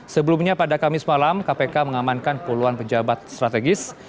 sebelumnya pada kamis malam kpk mengamankan puluhan pejabat strategis